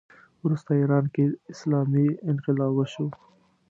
وروسته ایران کې اسلامي انقلاب وشو